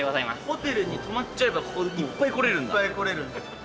・ホテルに泊まっちゃえばいっぱい来れるんだ。